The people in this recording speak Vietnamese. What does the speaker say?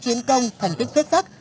chiến công thành tích kết xác